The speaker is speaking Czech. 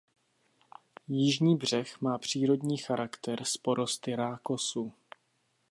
Jižní břeh má přírodní charakter s porosty rákosu.